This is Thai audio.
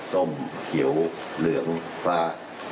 ส้มเขียวเหลืองปลา